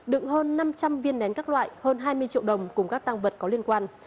đựng hơn năm trăm linh viên nén các loại hơn hai mươi triệu đồng cùng các tăng vật có liên quan